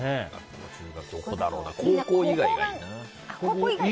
高校以外がいいな。